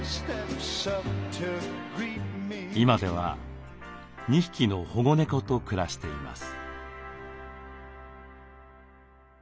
今では２匹の保護猫と暮らしています。